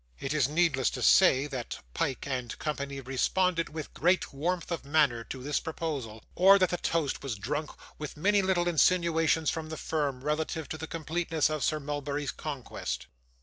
It is needless to say, that Pyke and Co. responded, with great warmth of manner, to this proposal, or that the toast was drunk with many little insinuations from the firm, relative to the completeness of Sir Mulberry's conquest.